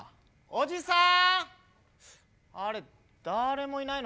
おじさん！